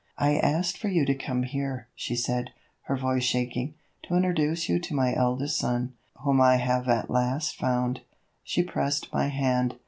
"I asked for you to come here," she said, her voice shaking, "to introduce you to my eldest son, whom I have at last found"; she pressed my hand.